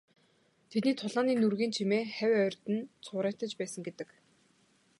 Тэдний тулааны нүргээн чимээ хавь ойрд нь цуурайтаж байсан гэдэг.